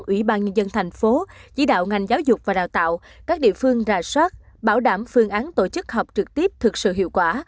ủy ban nhân dân thành phố chỉ đạo ngành giáo dục và đào tạo các địa phương ra soát bảo đảm phương án tổ chức học trực tiếp thực sự hiệu quả